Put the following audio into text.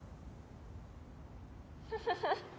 フフフッ。